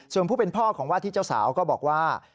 ส่วนผู้เป็นพ่อของว่าที่เจ้าสาวก็บอกว่า